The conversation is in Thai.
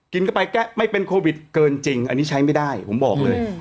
กินเข้าไปแก้ไม่เป็นโควิดเกินจริงอันนี้ใช้ไม่ได้ผมบอกเลย